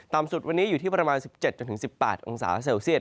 สุดวันนี้อยู่ที่ประมาณ๑๗๑๘องศาเซลเซียต